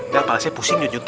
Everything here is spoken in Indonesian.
gak kalau saya pusing yuk ustaz